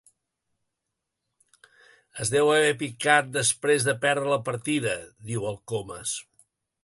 Es deu haver picat després de perdre la partida —diu el Comas.